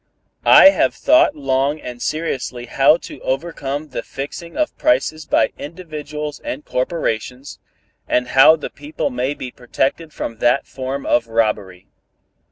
I have thought long and seriously how to overcome the fixing of prices by individuals and corporations, and how the people may be protected from that form of robbery.